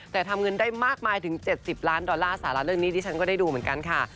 แต่ทำเงินได้มากมายถึง๗๐ล้านดอลลาร์สาระเรื่องนี้ดิฉันก็ได้ดูเหมือนกันค่ะ